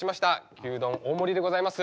牛丼大盛りでございます。